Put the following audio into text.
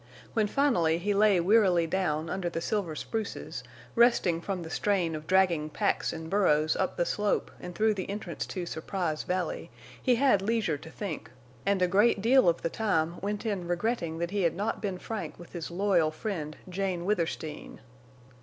When finally he lay wearily down under the silver spruces, resting from the strain of dragging packs and burros up the slope and through the entrance to Surprise Valley, he had leisure to think, and a great deal of the time went in regretting that he had not been frank with his loyal friend, Jane Withersteen.